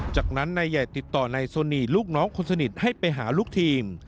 จากนั้นนายใหญ่ติดต่อนายโซนีลูกน้องคนสนิทให้ไปหาลูกทีม